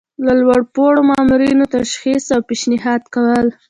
د لوړ پوړو مامورینو تشخیص او پیشنهاد کول.